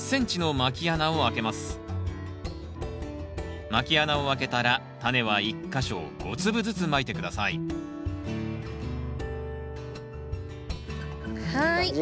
まき穴を開けたらタネは１か所５粒ずつまいて下さいはい。